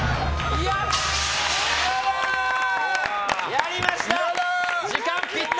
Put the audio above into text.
やりました！